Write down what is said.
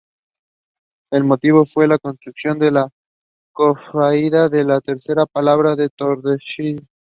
It was owned by Charles Tegner.